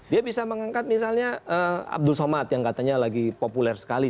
dia bisa mengangkat misalnya abdul somad yang katanya lagi populer sekali